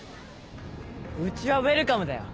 うちはウエルカムだよ